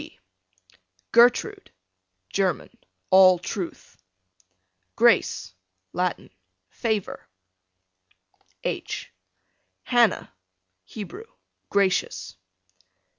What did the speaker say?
G Gertrude, German, all truth. Grace, Latin, favor. H Hannah, Hebrew, gracious.